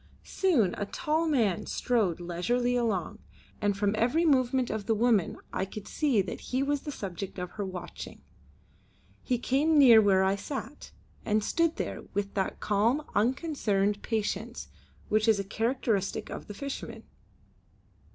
Soon a tall man strode leisurely along, and from every movement of the woman I could see that he was the subject of her watching. He came near where I sat, and stood there with that calm unconcerned patience which is a characteristic of the fisherman.